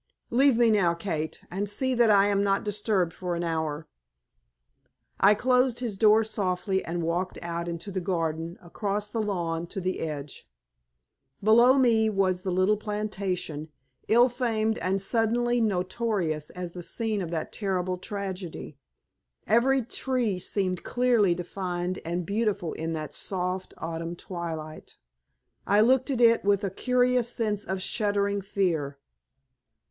Leave me now, Kate, and see that I am not disturbed for an hour." I closed his door softly, and walked out into the garden, across the lawn to the edge. Below me was the little plantation, ill famed and suddenly notorious as the scene of that terrible tragedy. Every tree seemed clearly defined and beautiful in that soft autumn twilight. I looked at it with a curious sense of shuddering fear.